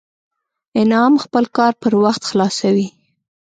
انعام خپل کار پر وخت خلاصوي